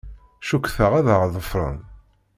Cukkteɣ ad aɣ-ḍefren.